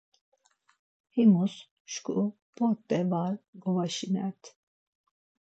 Himus şǩu p̌ot̆e var govaşinert.